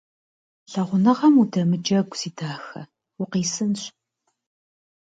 Лъагъуныгъэм удэмыджэгу, си дахэ, укъисынщ.